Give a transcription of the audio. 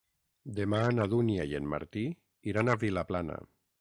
Demà na Dúnia i en Martí iran a Vilaplana.